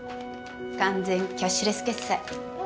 完全キャッシュレス決済。